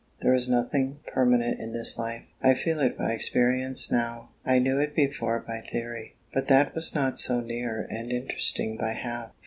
there is nothing permanent in this life. I feel it by experience now! I knew it before by theory: but that was not so near and interesting by half.